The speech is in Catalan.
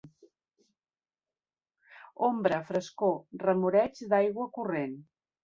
Ombra, frescor, remoreig d'aigua corrent